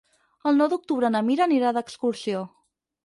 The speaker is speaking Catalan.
El nou d'octubre na Mira anirà d'excursió.